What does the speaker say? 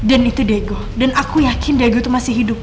dan itu diego dan aku yakin diego itu masih hidup